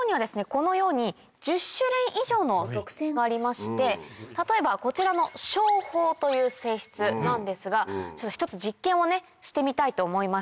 このように１０種類以上の特性がありまして例えばこちらの消泡という性質なんですがちょっと一つ実験をしてみたいと思います。